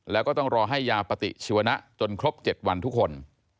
แล้วก็ต้องรอให้ยาปฏิชีวนะจนครบ๗วันทุกคน